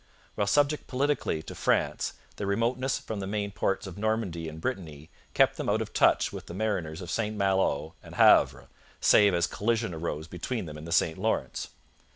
While subject politically to France, their remoteness from the main ports of Normandy and Brittany kept them out of touch with the mariners of St Malo and Havre, save as collision arose between them in the St Lawrence.